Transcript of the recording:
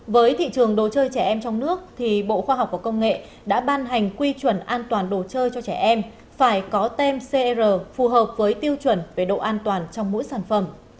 với thị trường đồ chơi trẻ em trong nước thì bộ khoa học và công nghệ đã ban hành quy chuẩn an toàn đồ chơi cho trẻ em phải có tem cr phù hợp với tiêu chuẩn về độ an toàn trong mỗi sản phẩm